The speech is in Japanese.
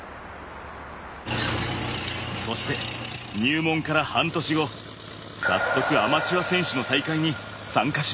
そして入門から半年後早速アマチュア選手の大会に参加しました。